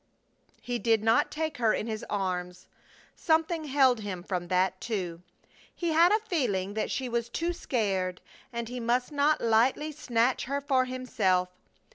He did not take her in his arms. Something held him from that, too. He had a feeling that she was too sacred, and he must not lightly snatch her for himself.